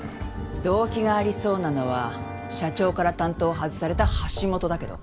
動機がありそうなのは社長から担当を外された橋下だけど。